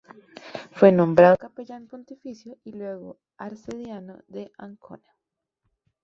Fue nombrado capellán pontificio y luego arcediano de Ancona.